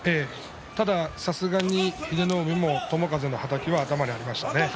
さすがに英乃海も友風のはたきは頭にありましたね。